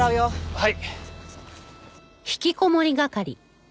はい。